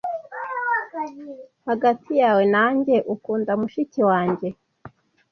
Hagati yawe nanjye, ukunda mushiki wanjye?